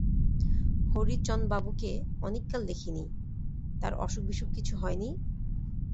হরিচণবাবুকে অনেক কাল দেখি নি, তাঁর অসুখবিসুখ কিছু হয় নি?